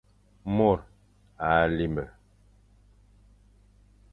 Mor à limbe.